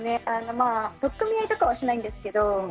まあ、取っ組み合いとかはしないんですけど。